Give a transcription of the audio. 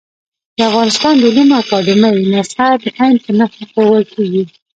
د افغانستان د علومو اکاډيمۍ نسخه د ع په نخښه ښوول کېږي.